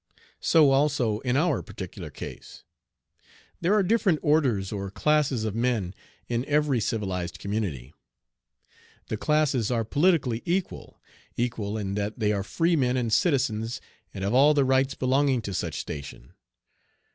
So also in our particular case. There are different orders or classes of men in every civilized community. The classes are politically equal, equal in that they are free men and citizens and have all the rights belonging to such station.